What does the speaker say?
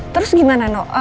terus gimana noh